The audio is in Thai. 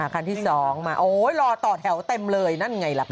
คันที่๒มาโอ้ยรอต่อแถวเต็มเลยนั่นไงล่ะครับ